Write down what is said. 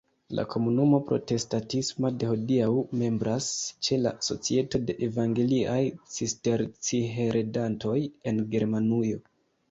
La komunumo protestatisma de hodiaŭ membras ĉe la Societo de evangeliaj cisterciheredantoj en Germanujo.